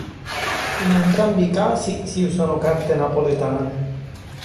In entrambi i casi si usano carte napoletane.